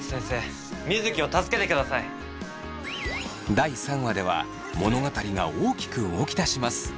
第３話では物語が大きく動き出します。